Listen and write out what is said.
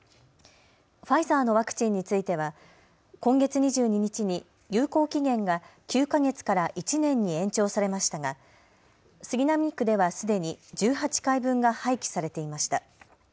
ファイザーのワクチンについては今月２２日に有効期限が９か月から１年に延長されましたが杉並区ではすでに１８回分が廃棄されていました。